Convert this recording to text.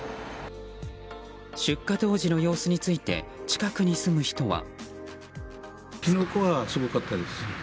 出火当時の様子について近くに住む人は。